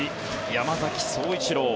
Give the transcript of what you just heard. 山崎颯一郎。